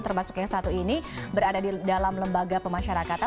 termasuk yang satu ini berada di dalam lembaga pemasyarakatan